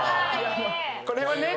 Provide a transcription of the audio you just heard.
これはね。